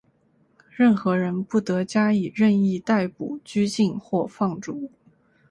任何人不得加以任意逮捕、拘禁或放逐。